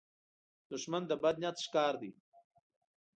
دښمن د بد نیت ښکار دی